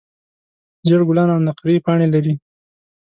زېړ ګلان او نقریي پاڼې لري.